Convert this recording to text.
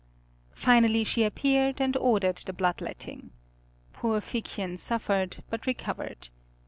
Finally she appeared and ordered the blood letting. Poor Figchen suffered, but recovered.